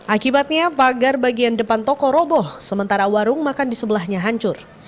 akibatnya pagar bagian depan toko roboh sementara warung makan di sebelahnya hancur